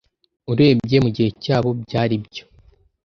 Urebye mugihe cyabo byari ibyo